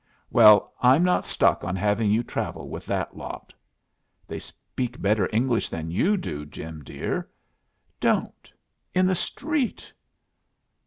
"Well, I'm not stuck on having you travel with that lot." "They speak better English than you do, Jim dear. Don't! in the street!"